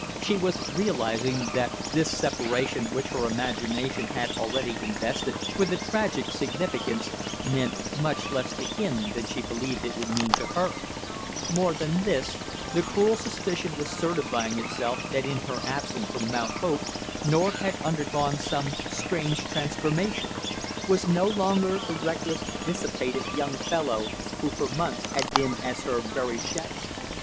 She was realizing that this separation which her imagination had already invested with a tragic significance, meant much less to him than she believed it would mean to her; more than this, the cruel suspicion was certifying itself that in her absence from Mount Hope, North had undergone some strange transformation; was no longer the reckless, dissipated, young fellow who for months had been as her very shadow.